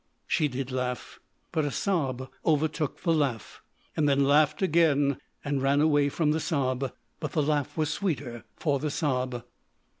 She did laugh, but a sob overtook the laugh. Then laughed again and ran away from the sob. But the laugh was sweeter for the sob.